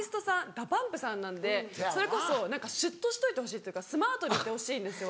ＤＡＰＵＭＰさんなんでそれこそシュッとしといてほしいっていうかスマートでいてほしいんですよ